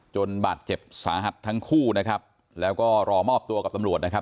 บาดเจ็บสาหัสทั้งคู่นะครับแล้วก็รอมอบตัวกับตำรวจนะครับ